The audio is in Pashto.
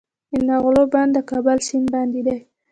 د نغلو بند د کابل سیند باندې دی